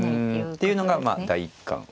っていうのがまあ第一感。